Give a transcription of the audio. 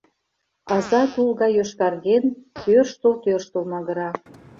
Аза тул гай йошкарген, тӧрштыл-тӧрштыл магыра.